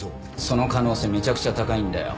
その可能性めちゃくちゃ高いんだよ。